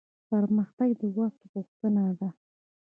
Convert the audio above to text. پرمختګ د وخت غوښتنه ده